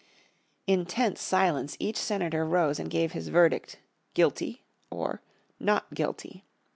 In tense silence each Senator rose and gave his verdict "guilty" or "not guilty".